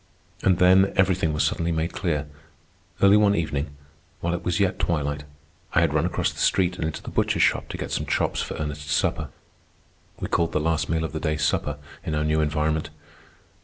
And then, everything was suddenly made clear. Early one evening, while it was yet twilight, I had run across the street and into the butcher shop to get some chops for Ernest's supper. We called the last meal of the day "supper" in our new environment.